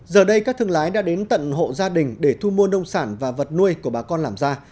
giờ đây các thương lái đã đến tận hộ gia đình để thu mua nông sản và vật nuôi của bà con làm ra